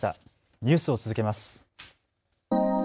ニュースを続けます。